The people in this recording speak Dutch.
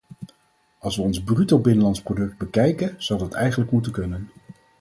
Als we ons bruto binnenlands product bekijken zou dat eigenlijk moeten kunnen.